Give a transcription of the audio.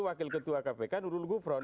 wakil ketua kpk nurul gufron